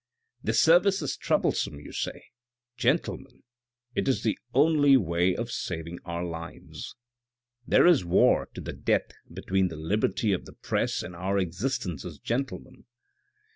The service is troublesome, you say. Gentlemen, it is the only way of saving our lives. There is war to the death between the liberty of the press and our existence as gentlemen.